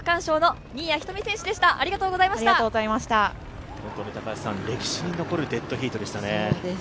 ホントに歴史に残るデッドヒートでしたね。